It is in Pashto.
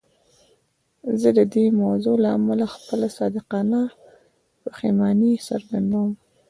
زه د دې موضوع له امله خپله صادقانه پښیماني څرګندوم.